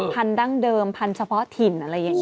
พันธุ์ดังเดิมพันธุ์เฉพาะถิ่น